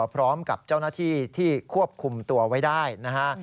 พร้อมกับเจ้าหน้าที่ที่ควบคุมตัวไว้ได้นะฮะ